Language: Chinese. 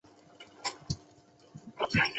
具备处理行政事务之处所